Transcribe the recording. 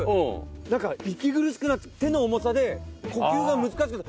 なんか息苦しくなって手の重さで呼吸が難しくなる。